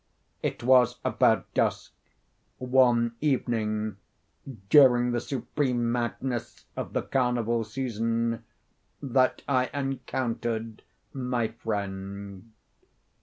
It was about dusk, one evening during the supreme madness of the carnival season, that I encountered my friend.